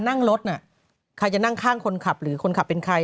นั่งรถน่ะใครจะนั่งข้างคนขับหรือคนขับเป็นใคร